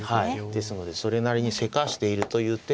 ですのでそれなりにせかしているという点がありますね。